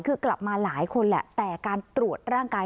คือกลับมาหลายคนแหละแต่การตรวจร่างกาย